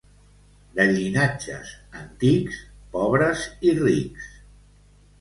De llinatges antics, pobres i rics.